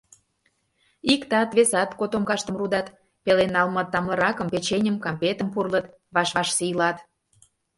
Иктат-весат котомкаштым рудат, пелен налме тамлыракым — печеньым, кампетым — пурлыт, ваш-ваш сийлат.